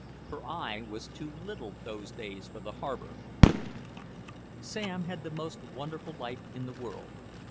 For I was too little those days for the harbor. Sam had the most wonderful life in the world.